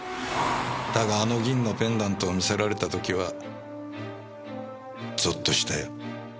だがあの銀のペンダントを見せられた時はぞっとしたよ。